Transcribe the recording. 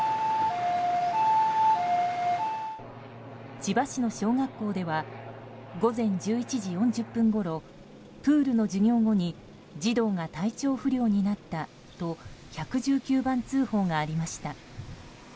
千葉市の小学校では午前１１時４０分ごろプールの授業後に児童が体調不良になったと１１９番通報がありました。